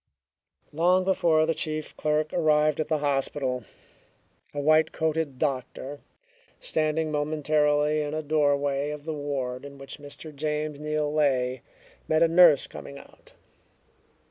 Long before the chief clerk arrived at the hospital, a white coated doctor, standing momentarily in a doorway of the ward in which Mr. James Neal lay, met a nurse coming out.